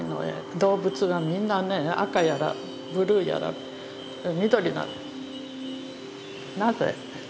動物はみんなね赤やらブルーやら緑なの。